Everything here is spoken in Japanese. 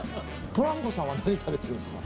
ポランコさんは何を食べてるんですか？